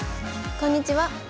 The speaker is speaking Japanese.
こんにちは。